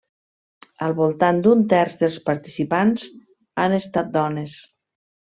Al voltant d'un terç dels participants han estat dones.